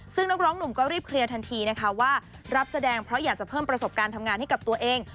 ซึ่งนักร้องหนุ่มก็รีบเคลียร์ทันทีนะคะว่ารับแสดงเพราะอยากจะเพิ่มประสบการณ์ทำงานให้กับตัวเอง